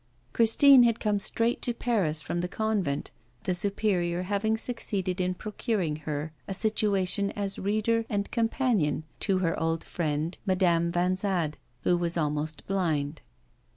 Christine had come straight to Paris from the convent, the Superior having succeeded in procuring her a situation as reader and companion to her old friend, Madame Vanzade, who was almost blind.